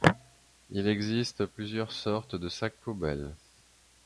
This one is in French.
Il existe plusieurs sortes de sacs-poubelle.